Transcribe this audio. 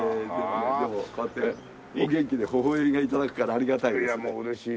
でもこうやってお元気でほほ笑んで頂くからありがたいですね。